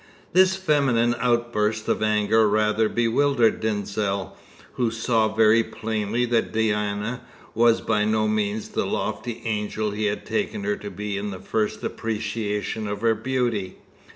This feminine outburst of anger rather bewildered Denzil, who saw very plainly that Diana was by no means the lofty angel he had taken her to be in the first appreciation of her beauty.